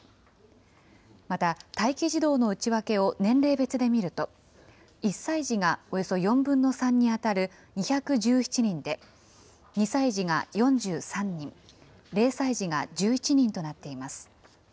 また、待機児童の内訳を年齢別で見ると、１歳児がおよそ４分の３に当たる２１７人で、２歳児が４３人、０歳児が１１人となっています。